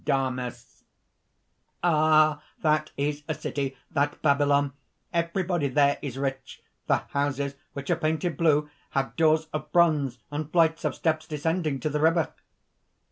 DAMIS. "Ah! that is a city! that Babylon! everybody there is rich! The houses, which are painted blue, have doors of bronze, and flights of steps descending to the river."